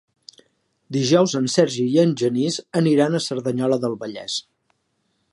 Dijous en Sergi i en Genís aniran a Cerdanyola del Vallès.